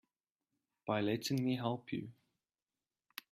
By letting me help you.